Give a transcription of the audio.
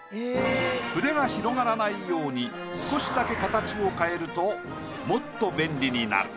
筆が広がらないように少しだけ形を変えるともっと便利になる。